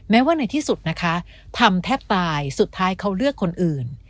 ว่าในที่สุดนะคะทำแทบตายสุดท้ายเขาเลือกคนอื่น